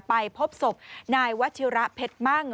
ไปพบศพนายวัชิระเพชรมั่ง